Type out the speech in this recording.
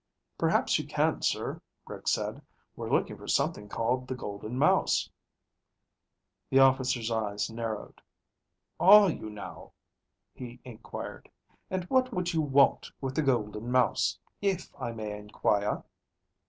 "Perhaps you can, sir," Rick said. "We're looking for something called the Golden Mouse." The officer's eyes narrowed. "Are you now?" he inquired. "And what would you want with the Golden Mouse, if I may inquire?"